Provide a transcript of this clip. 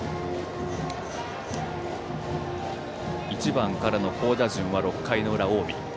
１番からの好打順は６回の裏、近江。